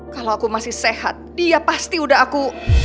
kalau aku masih sehat dia pasti udah aku